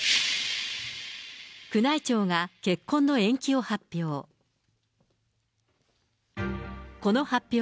宮内庁が結婚の延期を発表。